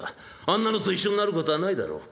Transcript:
あんなのと一緒になることはないだろう」。